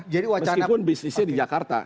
meskipun bisnisnya di jakarta